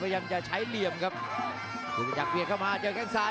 พยายามจะเกี่ยวและคืนด้วยข้างซ้าย